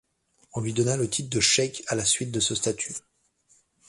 On lui donna le titre de cheikh à la suite de ce statut.